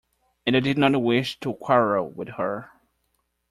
And I did not wish to quarrel with her.